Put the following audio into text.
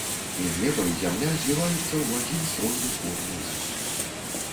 І неба і зямля зліваюцца ў адзін стройны хор музыкі.